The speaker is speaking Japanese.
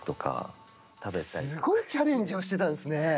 すごいチャレンジをしていたんですね。